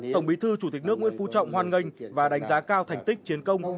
tổng bí thư chủ tịch nước nguyễn phú trọng hoan nghênh và đánh giá cao thành tích chiến công